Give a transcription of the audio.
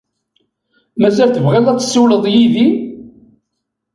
Mazal tebɣiḍ ad tessiwleḍ yid-i?